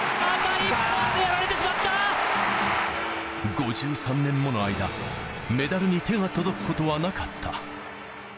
５３年もの間、メダルに手が届くことはなかった。